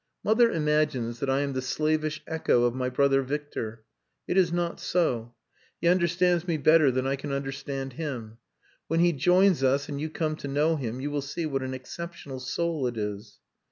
"Mother imagines that I am the slavish echo of my brother Victor. It is not so. He understands me better than I can understand him. When he joins us and you come to know him you will see what an exceptional soul it is."